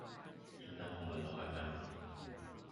現在同仁都還在忙